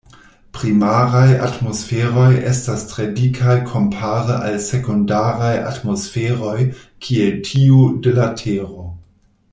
Primaraj atmosferoj estas tre dikaj kompare al sekundaraj atmosferoj kiel tiu de la Tero.